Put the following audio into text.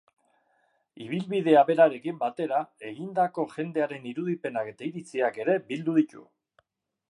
Ibilbidea berarekin batera egindako jendearen irudipenak eta iritziak ere bildu ditu.